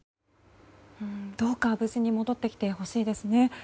どうか無事に戻ってきてほしいですね。